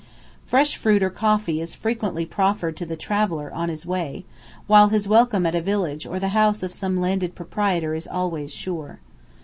Fresh fruit or coffee is frequently proffered to the traveller on his way, while his welcome at a village or the house of some landed proprietor is always sure.